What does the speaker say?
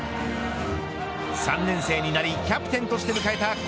３年生になりキャプテンとして迎えた